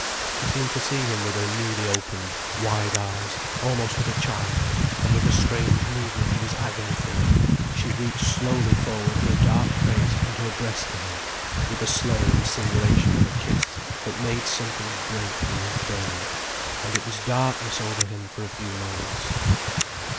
She seemed to see him with her newly opened, wide eyes, almost of a child, and with a strange movement, that was agony to him, she reached slowly forward her dark face and her breast to him, with a slow insinuation of a kiss that made something break in his brain, and it was darkness over him for a few moments.